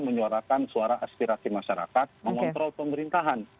menyuarakan suara aspirasi masyarakat mengontrol pemerintahan